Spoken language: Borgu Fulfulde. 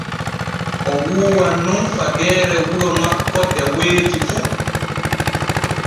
O wuuwan nun fageere wuro makko de weeti fu.